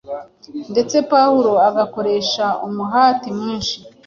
ndetse Pawulo agakoresha umuhati mwinshi